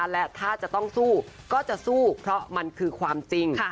และถ้าจะต้องสู้ก็จะสู้เพราะมันคือความจริง